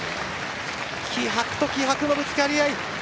気迫と気迫のぶつかり合い。